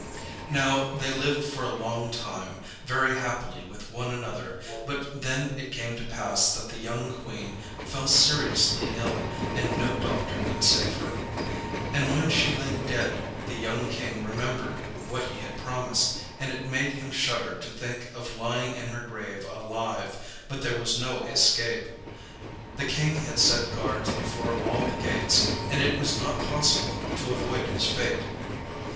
Now, they lived for a long time very happily with one another, but then it came to pass that the young Queen fell seriously ill, and no doctor could save her. And when she lay dead, the young King remembered what he had promised, and it made him shudder to think of lying in her grave alive, but there was no escape. The King had set guards before all the gates, and it was not possible to avoid his fate.